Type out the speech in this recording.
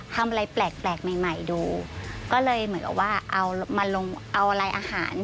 ทำอะไรแปลกใหม่ใหม่ดูก็เลยเหมือนกับว่าเอามาลงเอาลายอาหาร